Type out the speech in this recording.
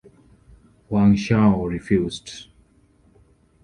Wang Chao refused.